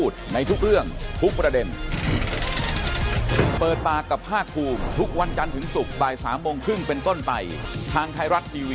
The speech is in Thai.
ใช่ครับแล้วที่ใครไม่อายแต่ผมอาย